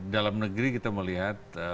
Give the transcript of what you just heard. dalam negeri kita melihat